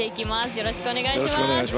よろしくお願いします。